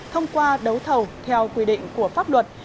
thông qua đấu thầu theo quy định của pháp luật